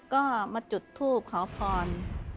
ก็มาจุดทูปขอพร